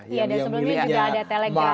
iya dan sebelumnya juga ada telegram